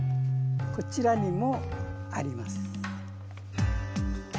こちらにもあります。